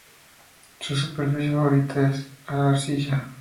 Su superficie favorita es la arcilla.